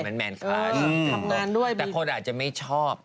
แมนกันทำงานด้วยแต่คนอาจจะไม่ชอบ